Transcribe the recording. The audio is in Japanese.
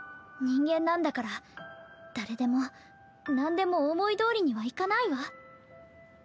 人間なんだから誰でも何でも思いどおりにはいかないわ。